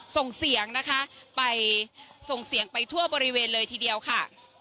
ส่งเสียงนะคะไปส่งเสียงไปทั่วบริเวณเลยทีเดียวค่ะ